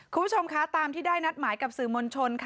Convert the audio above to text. คุณผู้ชมคะตามที่ได้นัดหมายกับสื่อมวลชนค่ะ